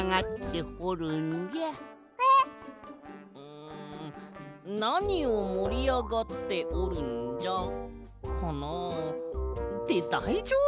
ん「なにをもりあがっておるんじゃ」かなあ？ってだいじょうぶ？